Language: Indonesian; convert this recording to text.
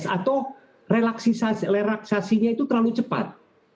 atau relaksasinya itu terlalu cepat